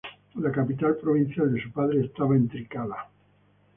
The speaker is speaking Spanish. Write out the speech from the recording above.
La capital provincial de su padre estaba en Trikala.